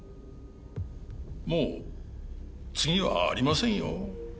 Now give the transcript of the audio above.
もう次はありませんよ。